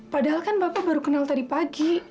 padahal kan bapak baru kenal tadi pagi